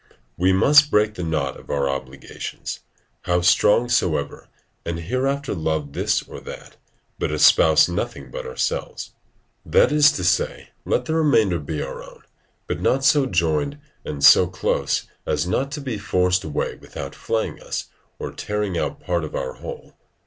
We must break the knot of our obligations, how strong soever, and hereafter love this or that, but espouse nothing but ourselves: that is to say, let the remainder be our own, but not so joined and so close as not to be forced away without flaying us or tearing out part of our whole.